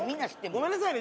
ごめんなさいね。